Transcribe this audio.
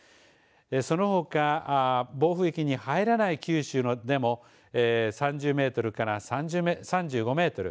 そのほか、暴風域に入らない九州でも３０メートルから３５メートル